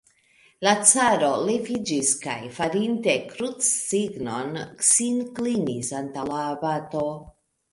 La caro leviĝis kaj, farinte krucsignon, sin klinis antaŭ la abato.